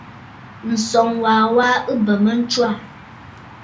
Ǹsɔŋ wa wa ɨ bè mə a ntswaà.